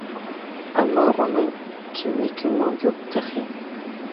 ئەمما ئۇنىڭ كىملىكىمۇ يوق تېخى.